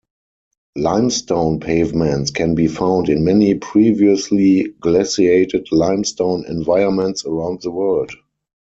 Limestone pavements can be found in many previously-glaciated limestone environments around the world.